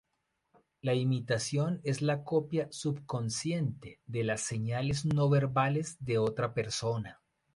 La imitación es la copia subconsciente de las señales no verbales de otra persona.